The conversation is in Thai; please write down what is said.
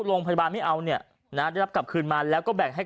โรงพยาบาลไม่เอาเนี่ยนะได้รับกลับคืนมาแล้วก็แบ่งให้